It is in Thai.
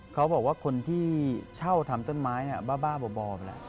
เขาบอกว่าคนที่เช่าทำต้นไม้บ้าบ่อไปแล้ว